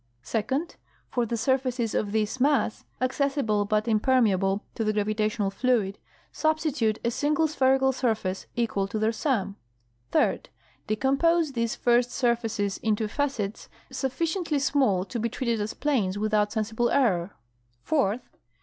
Second. For the surfaces of this mass, accessible but impermeable to the gravitational fluid, substitute a single spherical surface equal to their sum. Third. Decompose these first surfaces into facets sufficiently small to be treated as planes without sensible error. Fourth.